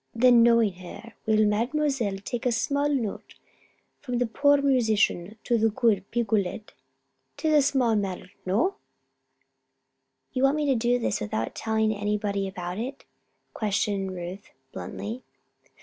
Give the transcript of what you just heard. "Then, knowing her, will the Mademoiselle take a small note from the poor musician to the good Picolet? 'Tis a small matter no?" "You want me to do this without telling anybody about it?" questioned Ruth, bluntly.